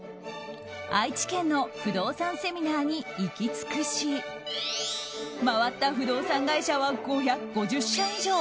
愛知県の不動産セミナーに行き尽くし回った不動産会社は５０社以上。